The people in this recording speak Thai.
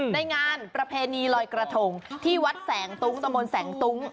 ในงานประเพณีลอยกระทงที่วัดแสงตุ้งตะมนต์แสงตุ้ง